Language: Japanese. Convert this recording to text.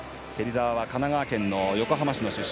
芹澤は神奈川県横浜市の出身。